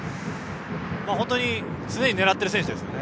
本当に常に狙っている選手ですね。